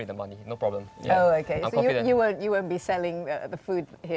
dan kamu senang dengan itu